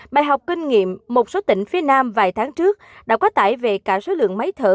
bài học kinh nghiệm một số tỉnh phía nam vài tháng trước đã quá tải về cả số lượng máy thở